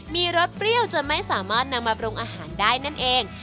มีรสเปรี้ยวจนไม่สามารถนำมาปรุงอาหารได้นั่นเอง